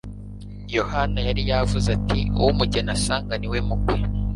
Yohana yari yaravuze ati : "Uwo umugeni asanga ni we mukwe,